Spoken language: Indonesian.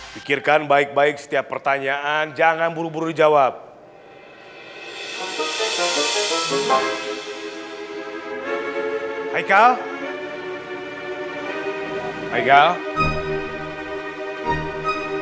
pikirkan baik baik setiap pertanyaan jangan buru buru jawab hai hai hai hai hai hai